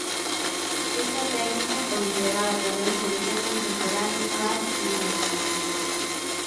Esta técnica foi empregada tamén polo seu contemporáneo Carl Nielsen.